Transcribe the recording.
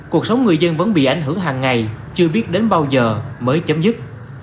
cuộc sống người dân vẫn bị ảnh hưởng hàng ngày chưa biết đến bao giờ mới chấm dứt